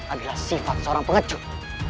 adalah sifat seorang pengecut